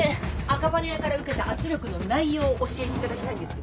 赤羽屋から受けた圧力の内容を教えていただきたいんです。